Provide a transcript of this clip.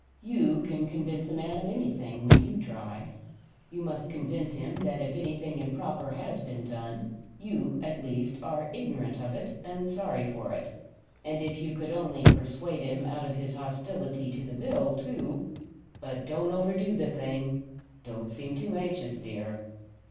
You can convince a man of anything, when you try. You must convince him that if anything improper has been done, you at least are ignorant of it and sorry for it. And if you could only persuade him out of his hostility to the bill, too but don't overdo the thing; don't seem too anxious, dear."